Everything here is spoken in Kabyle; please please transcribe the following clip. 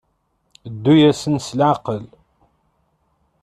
Ddu-asen s leɛqel.